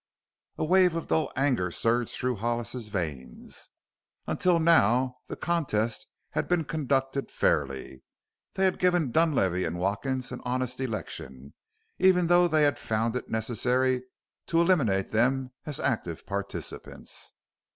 A wave of dull anger surged through Hollis's veins. Until now the contest had been conducted fairly; they had given Dunlavey and Watkins an honest election, even though they had found it necessary to eliminate them as active participants.